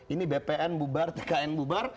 ini bpn bubar tkn bubar